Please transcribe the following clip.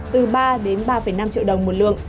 từ ba đến ba năm triệu đồng một lượng